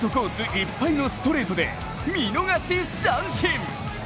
いっぱいのストレートで見逃し三振。